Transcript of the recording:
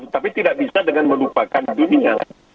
tapi tidak bisa dengan melupakan dunia